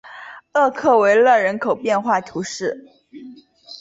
厄克维勒人口变化图示